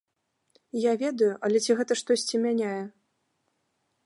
Я ведаю, але ці гэта штосьці мяняе?